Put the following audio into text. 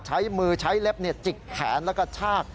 ใช้มือใช้เล็บจิกแขนแล้วก็ชาก